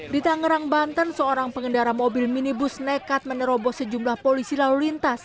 di tangerang banten seorang pengendara mobil minibus nekat menerobos sejumlah polisi lalu lintas